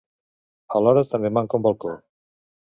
Alhora també manca un balcó.